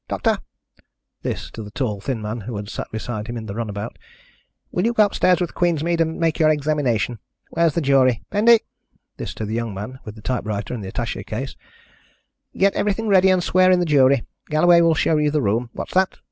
Doctor" this to the tall thin man who had sat beside him in the run about "will you go upstairs with Queensmead and make your examination? Where's the jury? Pendy" this to the young man with the typewriter and attaché case "get everything ready and swear in the jury. Galloway will show you the room. What's that?